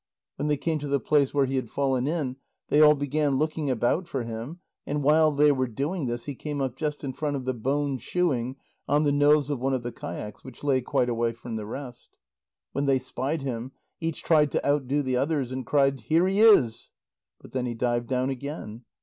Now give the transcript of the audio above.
When they came to the place where he had fallen in, they all began looking about for him, and while they were doing this, he came up just in front of the bone shoeing on the nose of one of the kayaks which lay quite away from the rest. When they spied him, each tried to outdo the others, and cried: "Here he is!" But then he dived down again.